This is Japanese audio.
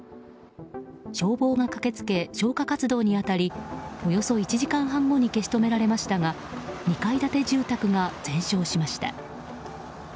消防が駆けつけ消火活動に当たりおよそ１時間半後に消し止められましたが２階建て住宅が全焼しました。